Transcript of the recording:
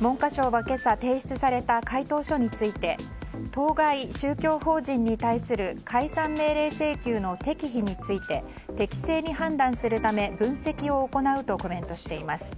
文科省は今朝提出された回答書について当該宗教法人に対する解散命令請求の適否について適正に判断するため分析を行うとコメントしています。